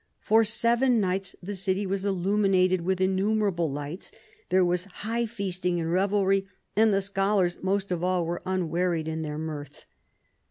For seven nights the city was illuminated with innumer able lights, there was high feasting and revelry, and the scholars most of all were unwearied in their mirth.